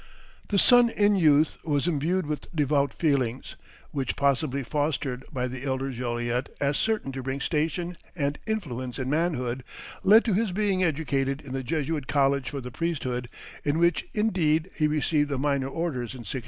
The son in youth was imbued with devout feelings, which, possibly fostered by the elder Joliet as certain to bring station and influence in manhood, led to his being educated in the Jesuit College for the priesthood, in which indeed he received the minor orders in 1662.